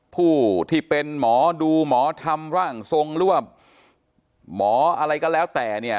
ผู้ที่เป็นหมอดูหมอทำร่างทรงร่วมหมออะไรก็แล้วแต่เนี่ย